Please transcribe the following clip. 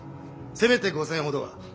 せめて５，０００ほどは。